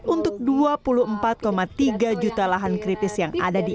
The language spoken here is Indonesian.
untuk dua puluh empat tiga juta lahan kritis yang ada di kebun raya bogor